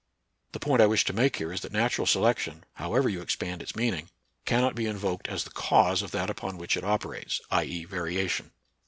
The point I wish to make here is that natural selection — however you expand its meaning — cannot be invoked as the cause of that upon which it operates, i. e., variation.